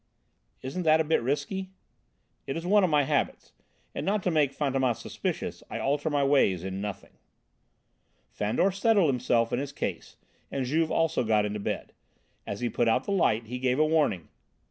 "Isn't that a bit risky?" "It is one of my habits, and not to make Fantômas suspicious I alter my ways in nothing." Fandor settled himself in his case and Juve also got into bed. As he put out the light he gave a warning.